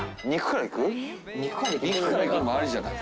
肉からいくのもありじゃない？